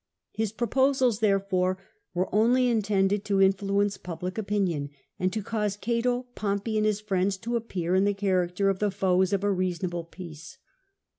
His proposals, therefore, were only intended to influence public opinion, and to cause Cato, Pompey, and their friends to appear in the character of the foes of a reasonable peace.